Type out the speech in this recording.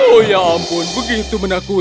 oh ya ampun begitu menakuti